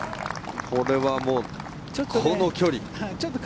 これはもう、この距離。